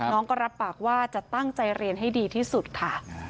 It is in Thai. น้องก็รับปากว่าจะตั้งใจเรียนให้ดีที่สุดค่ะ